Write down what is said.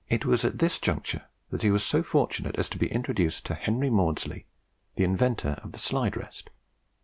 It was at this juncture that he was so fortunate as to be introduced to Henry Maudslay, the inventor of the sliderest.